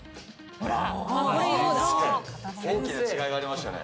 ほら！